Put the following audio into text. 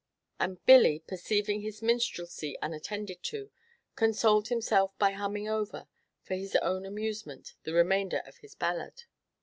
And Billy, perceiving his minstrelsy unattended to, consoled himself by humming over, for his own amusement, the remainder of his ballad.